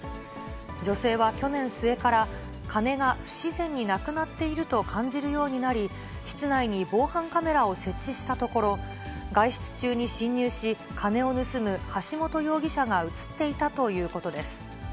女性は去年末から、金が不自然になくなっていると感じるようになり、室内に防犯カメラを設置したところ、外出中に侵入し、金を盗む橋本容疑者が写っていたということです。